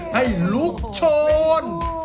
ให้ลุกโชน